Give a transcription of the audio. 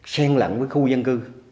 sen lặng với khu dân cư